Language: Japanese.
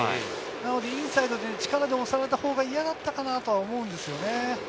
インサイドで力で攻めたほうが嫌だったかなと思うんですよね。